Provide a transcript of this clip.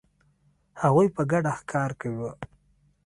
هغوی په ګډه ښکار کاوه.